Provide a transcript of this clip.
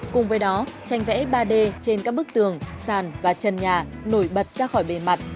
cùng với đó tranh vẽ ba d trên các bức tường sàn và trần nhà nổi bật ra khỏi bề mặt